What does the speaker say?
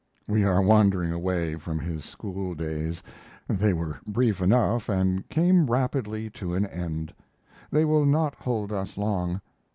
We are wandering away from his school days. They were brief enough and came rapidly to an end. They will not hold us long.